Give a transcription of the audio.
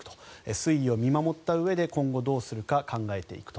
推移を見守ったうえで今後どうするか考えていくと。